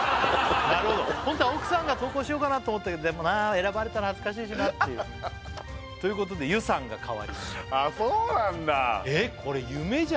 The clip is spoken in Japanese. なるほど本当は奥さんが投稿しようかなと思ったけどでもな選ばれたら恥ずかしいしなっていうということでゆさんが代わりにああそうなんだ